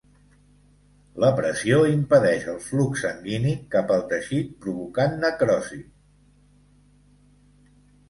La pressió impedeix el flux sanguini cap al teixit, provocant necrosi.